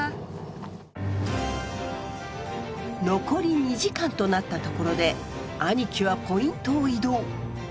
残り２時間となったところで兄貴はポイントを移動。